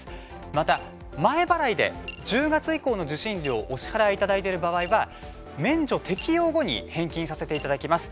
また、前払いで１０月以降の受信料をお支払いいただいている場合は免除適用後に返金させていただきます。